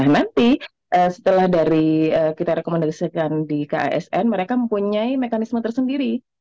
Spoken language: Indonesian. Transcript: nanti setelah dari kita rekomendasikan di kasn mereka mempunyai mekanisme tersendiri